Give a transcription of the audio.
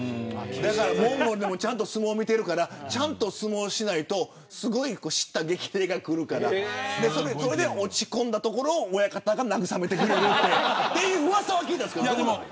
モンゴルでも相撲見てるからちゃんと相撲しないとすごい叱咤激励が来るからそれで落ち込んだところを親方が慰めてくれるといううわさは聞いた。